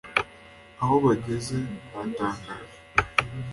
aho bageze haratangaje